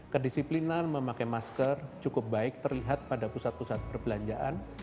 kedisiplinan memakai masker cukup baik terlihat pada pusat pusat perbelanjaan